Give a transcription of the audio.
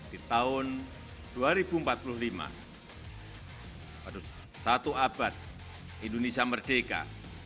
di tahun dua ribu empat puluh lima pada satu abad indonesia merdeka